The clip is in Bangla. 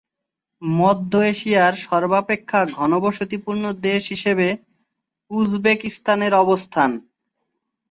মধ্য এশিয়ার সর্বাপেক্ষা ঘনবসতিপূর্ণ দেশ হিসেবে উজবেকিস্তানের অবস্থান।